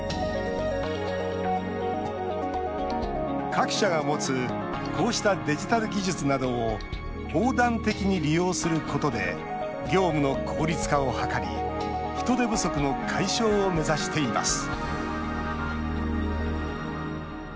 各社が持つこうしたデジタル技術などを横断的に利用することで業務の効率化を図り人手不足の解消を目指しています